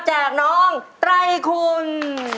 จากน้องไต่ขุน